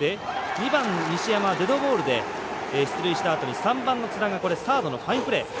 ２番、西山はデッドボールで出塁したあとに３番の津田サードファインプレー。